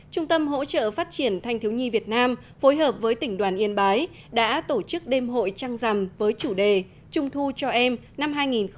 trung tâm hỗ trợ phát triển thanh thiếu nhi việt nam phối hợp với tỉnh đoàn yên bái đã tổ chức đêm hội trăng rằm với chủ đề trung thu cho em năm hai nghìn một mươi chín